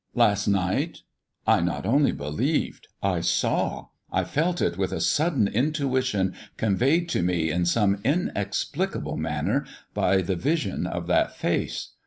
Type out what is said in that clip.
"Last night? I not only believed, I saw, I felt it with a sudden intuition conveyed to me in some inexplicable manner by the vision of that face.